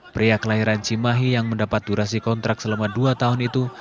pria kelahiran cimahi yang mendapat durasi kontrak selama dua tahun itu